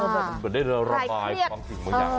เหมือนได้ระบายบางสิ่งหมดอย่าง